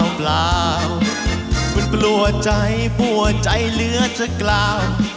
มันปลัวใจปลัวใจเหลือจะกราบ